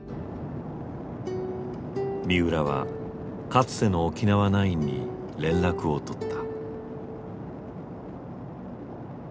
三浦はかつての沖縄ナインに連絡を取った。